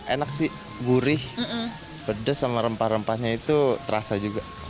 enak sih gurih pedes sama rempah rempahnya itu terasa juga